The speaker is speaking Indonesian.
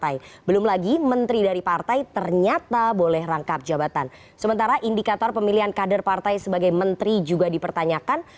sementara indikator pemilihan kader partai sebagai menteri juga dipertanyakan